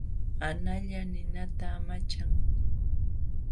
Analla ninata amachan.